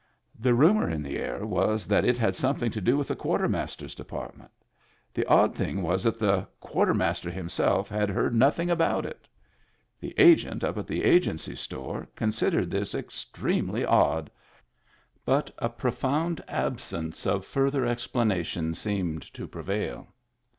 The rumor in the air was that it had something to do with the Quartermaster's de partment. The odd thing was that the Quarter Digitized by Google HAPPY TEETH 37 master himself had heard nothing about it. The Agent up at the Agency store considered this extremely odd. But a profound absence of further explanations seemed to prevail.